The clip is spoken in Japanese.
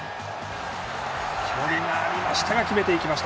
距離がありましたが決めていきました。